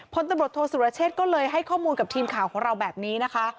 พลตำรวจโทษสุรเชษก็เลยให้ข้อมูลกับทีมข่าวของเราแบบนี้นะคะ